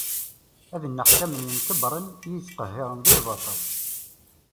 Ad nneḥcamen yemkebbren i iyi-ittqehhiren di lbaṭel!